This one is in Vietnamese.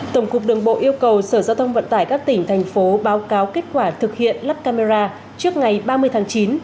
tổng cục đường bộ yêu cầu sở giao thông vận tải các tỉnh thành phố báo cáo kết quả thực hiện lắp camera trước ngày ba mươi tháng chín